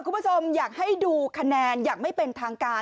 คุณผู้ชมอยากให้ดูคะแนนอย่างไม่เป็นทางการ